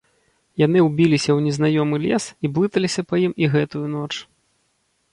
Яны ўбіліся ў незнаёмы лес і блыталіся па ім і гэтую ноч.